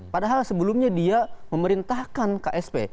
padahal sebelumnya dia memerintahkan ksp